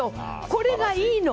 これがいいの。